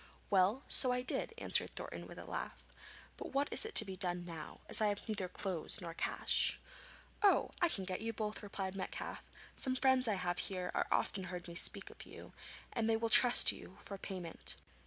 'Well, so I did,' answered Thornton with a laugh. 'But what is to be done now, as I have neither clothes nor cash?' 'Oh, I can get you both!' replied Metcalfe; 'some friends I have here have often heard me speak of you, and they will trust you for payment.'